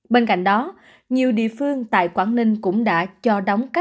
bên cạnh đó nhiều địa phương tại quảng ninh cũng đã cho đóng các